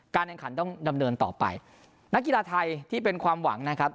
แข่งขันต้องดำเนินต่อไปนักกีฬาไทยที่เป็นความหวังนะครับ